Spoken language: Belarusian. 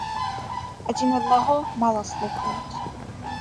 Адзін аднаго мала слухаюць.